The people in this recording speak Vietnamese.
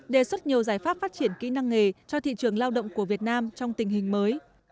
đề xuất nhiều giải pháp phát triển kỹ năng nghề cho thị trường lao động của việt nam trong tình hình mới